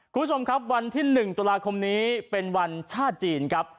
คุณผู้ชมครับวันที่๑ตุลาคมนี้เป็นวันชาติจีนครับ